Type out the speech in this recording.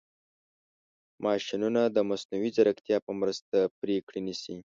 ماشینونه د مصنوعي ځیرکتیا په مرسته پرېکړې نیسي.